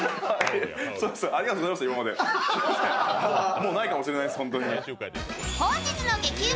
もうないかもしれないです、ホントに。